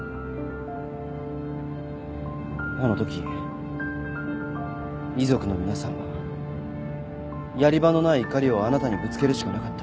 あのとき遺族の皆さんはやり場のない怒りをあなたにぶつけるしかなかった